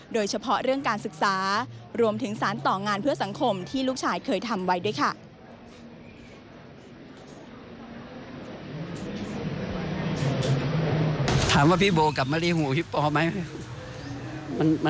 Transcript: โดยเฉพาะเรื่องการศึกษารวมถึงสารต่องานเพื่อสังคมที่ลูกชายเคยทำไว้ด้วยค่ะ